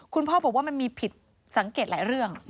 คุณพ่อบอกว่ามันมีผิดสังเกตหลายเรื่อง